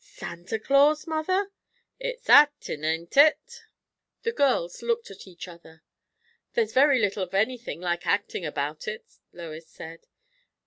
"Santa Claus, mother?" "It's actin', ain't it?" The girls looked at each other. "There's very little of anything like acting about it," Lois said.